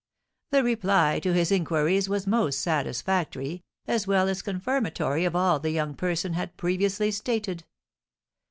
The reply to his inquiries was most satisfactory, as well as confirmatory of all the young person had previously stated.